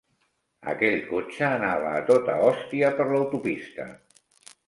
Aquell cotxe anava a tota hòstia per l'autopista.